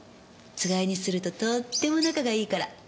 つがいにするととっても仲がいいから。